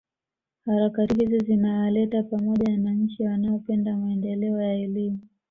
Harakati hizi zinawaleta pamoja wananchi wanaopenda maendeleo ya elimu